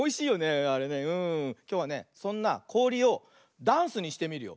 きょうはねそんなこおりをダンスにしてみるよ。